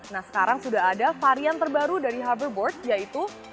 nah sekarang sudah ada varian terbaru dari hover board yaitu hover shoes